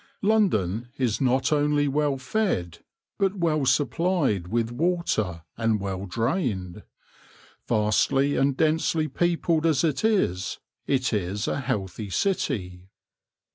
London is not only well fed, but well supplied with water and well drained. Vastly and densely peopled as it is, it is a healthy city.